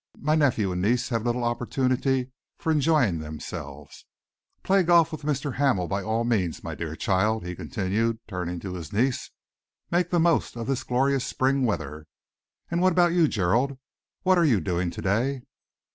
My nephew and niece have little opportunity for enjoying themselves. Play golf with Mr. Hamel, by all means, my dear child," he continued, turning to his niece. "Make the most of this glorious spring weather. And what about you, Gerald? What are you doing to day?"